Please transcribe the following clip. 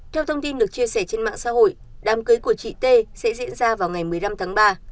theo thông tin được chia sẻ trên mạng xã hội đám cưới của chị t sẽ diễn ra vào ngày một mươi năm tháng ba